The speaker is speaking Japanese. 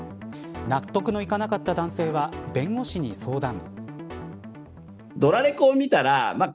納得のいかなかった男性は弁護士に相談。